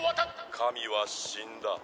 神は死んだ。